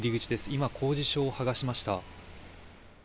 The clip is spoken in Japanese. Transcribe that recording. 今、公示書を剥がしました。